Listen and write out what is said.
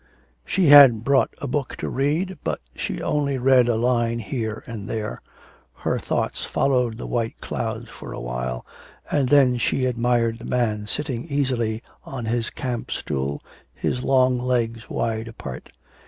She had brought a book to read, but she only read a line here and there. Her thoughts followed the white clouds for a while, and then she admired the man sitting easily on his camp stool, his long legs wide apart.